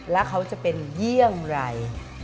แล้วเขาจะเป็นเยี่ยงไร